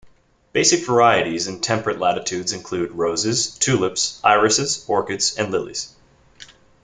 Basic varieties in temperate latitudes include roses, tulips, irises, orchids and lilies.